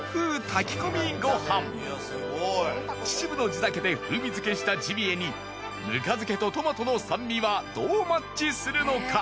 秩父の地酒で風味づけしたジビエにぬか漬けとトマトの酸味はどうマッチするのか？